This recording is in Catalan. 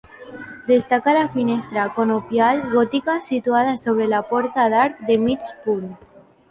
Destaca la finestra conopial gòtica situada sobre la porta d'arc de mig punt.